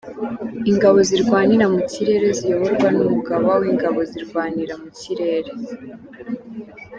Ingabo Zirwanira mu Kirere ziyoborwa n’Umugaba w’Ingabo Zirwanira mu Kirere.